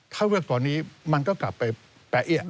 ถ้าเลือกตอนนี้มันก็กลับไปแปรเอียด